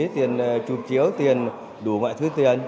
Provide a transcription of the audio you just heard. tiền chụp chiếu tiền đủ mọi thứ tiền